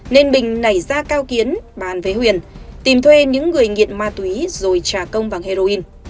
nên bình nảy ra cao kiến bàn với huyền tìm thuê những người nghiện ma túy rồi trả công bằng heroin